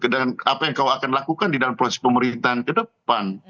dan apa yang kau akan lakukan di dalam proses pemerintahan ke depan